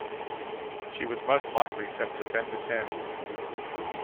She was most likely sent to Ventotene.